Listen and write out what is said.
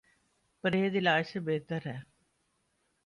پرہیز علاج سے بہتر ہے